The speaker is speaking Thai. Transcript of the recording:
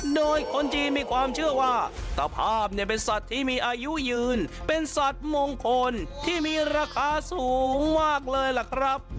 โดยคนจีนมีความเชื่อว่าตะภาพเนี่ยเป็นสัตว์ที่มีอายุยืนเป็นสัตว์มงคลที่มีราคาสูงมากเลยล่ะครับ